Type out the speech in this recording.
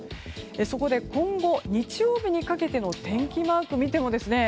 そこで今後、日曜日にかけての天気マークを見てもですね